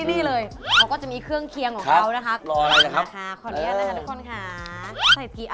ทำความสะอาดแล้วไง